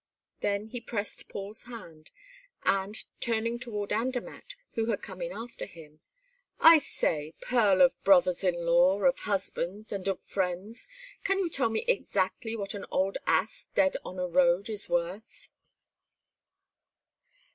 Then he pressed Paul's hand, and, turning toward Andermatt, who had come in after him: "I say, pearl of brothers in law, of husbands, and of friends, can you tell me exactly what an old ass dead on a road is worth?"